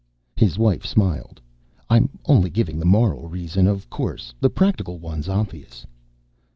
His wife smiled. "I'm only giving the moral reason, of course. The practical one's obvious."